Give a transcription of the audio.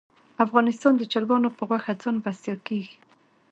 افغانستان د چرګانو په غوښه ځان بسیا کیږي